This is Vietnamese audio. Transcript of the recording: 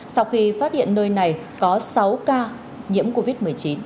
sau khi phát hiện nơi này có sáu ca nhiễm covid một mươi chín